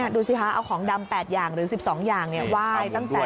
ดูสิคะเอาของดำ๘อย่างหรือ๑๒อย่างไหว้ตั้งแต่